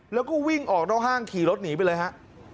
แล้วก็วิ่งออกนอกห้างขี่รถหนีไปเลยฮะ